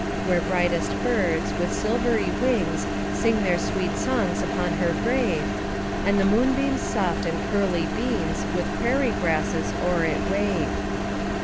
Where brightest birds, with silvery wings, Sing their sweet songs upon her grave, And the moonbeam's soft and pearly beams With prairie grasses o'er it wave.